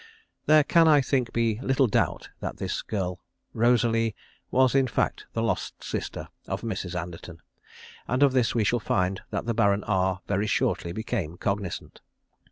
There can, I think, be little doubt that this girl Rosalie was in fact the lost sister of Mrs. Anderton, and of this we shall find that the Baron R very shortly became cognisant.